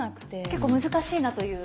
結構難しいなという。